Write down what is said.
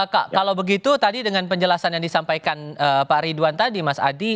kalau begitu tadi dengan penjelasan yang disampaikan pak ridwan tadi mas adi